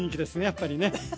やっぱりね。